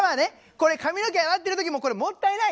これ髪の毛洗ってる時もこれもったいない。